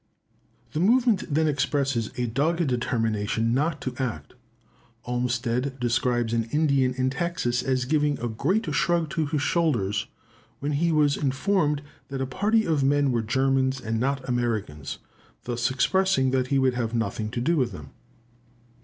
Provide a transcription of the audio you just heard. The movement then expresses a dogged determination not to act. Olmsted describes an Indian in Texas as giving a great shrug to his shoulders, when he was informed that a party of men were Germans and not Americans, thus expressing that he would have nothing to do with them.